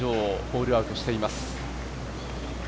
ホールアウトしています。